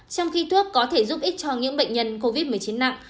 trong khi thuốc có thể giúp ích cho những bệnh nhân covid một mươi chín nặng